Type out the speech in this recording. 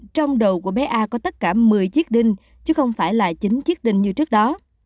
trong đầu của bé a có tất cả một mươi chiếc đinh chứ không phải là chính chiếc đinh như trước đó